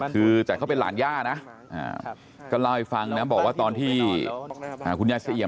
คือแต่เขาเป็นหลานย่านะก็เล่าให้ฟังนะบอกว่าตอนที่คุณยายเสียเอี่ย